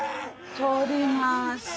通ります。